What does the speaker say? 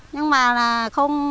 nhưng mà là không